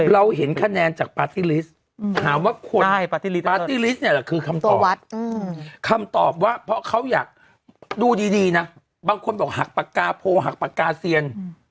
เราเห็นคะแนนจากปาร์ตี้ลิสต์คำตอบว่าเพราะเขาอยากดูดีนะบางคนบอกหักปากกาโพหักปากกาเซียน